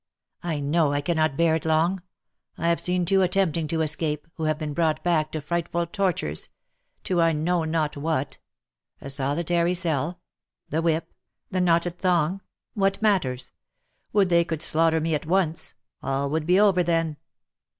" I know I cannot bear it long ! I have seen two attempting to escape, who have been brought back to frightful tortures — to I know not what ! A solitary cell ? the whip ? the knotted thong ? What matters ? Would they could slaugh ter me at once ! All would be over then."